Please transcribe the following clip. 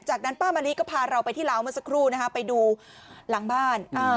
จากนั้นป้ามะลิก็พาเราไปที่ลาวเมื่อสักครู่นะคะไปดูหลังบ้าน